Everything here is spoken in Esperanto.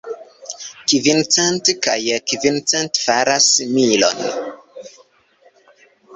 Kvin cent kaj kvin cent faras milon.